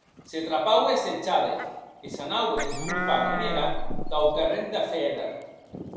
Se trapaue assetjada e s’anaue desvolopant en era quauquarren de fèra.